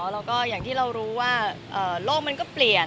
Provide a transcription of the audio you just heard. แล้วก็อย่างที่เรารู้ว่าโลกมันก็เปลี่ยน